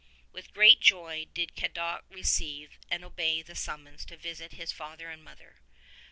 With great joy did Cadoc receive and obey the summons to visit his father and mother.